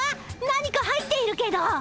何か入っているけど。